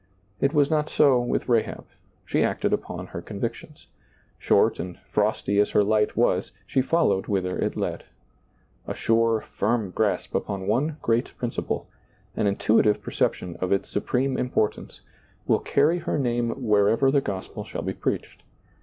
It was not so with Rahab ; she acted upon her convictions. Short and frosty as her light was, she followed whither it led. A sure, firm grasp upon one great principle, an intuitive perception ^lailizccbvGoOgle RAHAB 37 of its supreme importance, will carry her name wherever the gospel shall be preached.